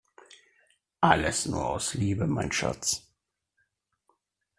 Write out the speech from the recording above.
Alles nur aus Liebe, mein Schatz!